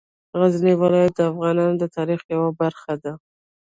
غزني ولایت د افغانانو د تاریخ یوه برخه ده.